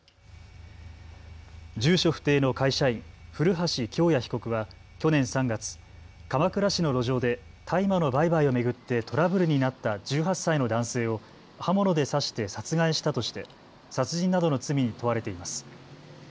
住所不定の会社員、古橋京也被告は去年３月、鎌倉市の路上で大麻の売買を巡ってトラブルになった１８歳の男性を刃物で刺して殺害したとして殺人などの罪に問われています。